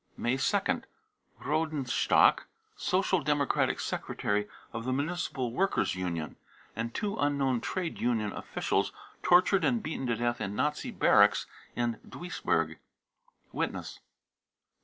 May 2nd. rodenstock, Social Democratic secretary of the Municipal Workers' ynion, and two unknown trade union officials, tortured and beaten to death in Nazi barracks in Duisburg. (Witness.)